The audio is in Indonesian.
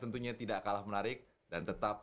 tentunya tidak kalah menarik dan tetap